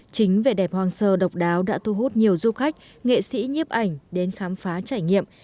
chính vẻ đẹp hoang sơ độc đáo đã thu hút nhiều du khách nghệ sĩ nhiếp ảnh đến khám phá trải nghiệm